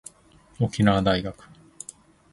沖縄大学